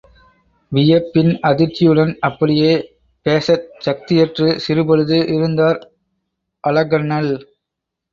வியப்பின் அதிர்ச்சியுடன் அப்படியே பேசச் சக்தியற்று சிறுபொழுது இருந்தார் அழகண்ணல்.